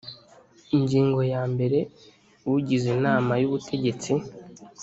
ingingo ya mbere ugize inama y ubutegetsi